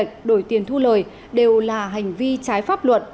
tình lệ đổi tiền thu lời đều là hành vi trái pháp luật